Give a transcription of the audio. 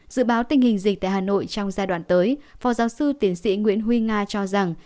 dự báo tình hình dịch tại hà nội trong giai đoạn tới phó giáo sư tiến sĩ nguyễn huy nga cho rằng